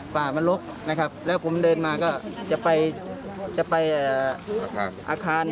ไม่แข็งครับผมไม่แข็งเลย